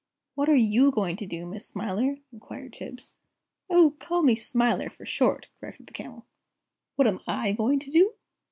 "What are you going to do, Miss Smiler?" inquired Tibbs. "Oh, call me Smiler, for short!" corrected the Camel. "What am I going to do?